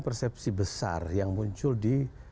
persepsi besar yang muncul di